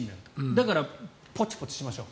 だから、ポチポチしましょう。